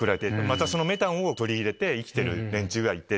またそのメタンを取り入れて生きてる連中がいて。